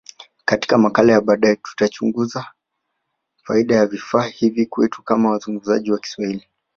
Katika makala ya baadaye, tutachunguza faida ya vifaa hivi kwetu kama wazungumzaji wa Kiswahili.